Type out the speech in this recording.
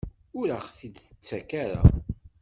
Ur aɣ-t-id-tettak ara?